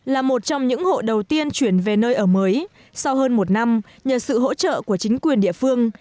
là một trong những hộ đầu tiên chuyển về nơi ở mới sau hơn một năm nhờ sự hỗ trợ của chính quyền địa phương